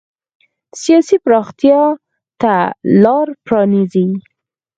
سیاسي پراختیا ته لار پرانېزي.